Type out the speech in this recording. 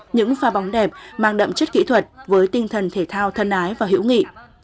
những pha bóng đẹp mang đậm chất kỹ thuật với tinh thần thể thao thân ái và hữu nghị